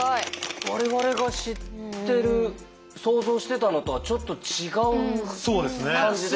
我々が知ってる想像してたのとはちょっと違う感じでしたね。